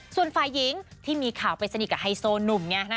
ส่วนฝ่ายหญิงที่มีข่าวไปสนิทกับไฮโซหนุ่มไง